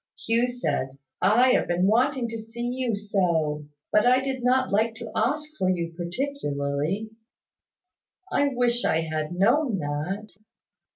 Hugh said, "I have been wanting to see you so! But I did not like to ask for you particularly." "I wish I had known that."